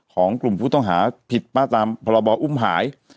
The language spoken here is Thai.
ของกลุ่มผู้ต้องหาผิดมาตามพรบอุ้มหาย